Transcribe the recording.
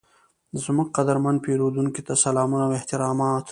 زموږ قدرمن پیرودونکي ته سلامونه او احترامات،